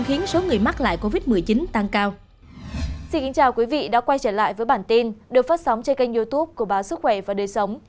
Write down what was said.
xin chào quý vị đã quay trở lại với bản tin được phát sóng trên kênh youtube của báo sức khỏe và đời sống